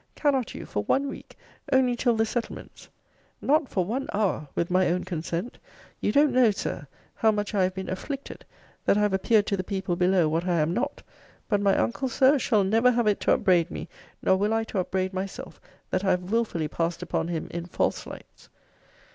cannot you for one week only till the settlements Not for one hour, with my own consent. You don't know, Sir, how much I have been afflicted, that I have appeared to the people below what I am not. But my uncle, Sir, shall never have it to upbraid me, nor will I to upbraid myself, that I have wilfully passed upon him in false lights.